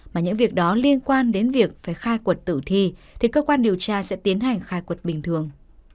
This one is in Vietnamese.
mà những việc đó liên quan đến việc phải khai quật tử thi thì cơ quan điều tra sẽ tiến hành khai quật bình thường